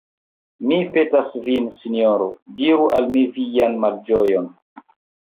Mi petas vin, sinjoro, diru al mi vian malĝojon!